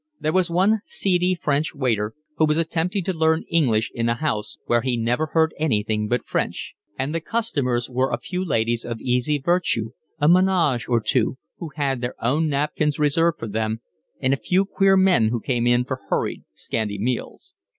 There was one seedy French waiter, who was attempting to learn English in a house where he never heard anything but French; and the customers were a few ladies of easy virtue, a menage or two, who had their own napkins reserved for them, and a few queer men who came in for hurried, scanty meals.